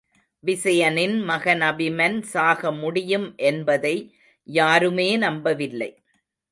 விசயனின் மகன் அபிமன் சாக முடியும் என்பதை யாருமே நம்பவில்லை.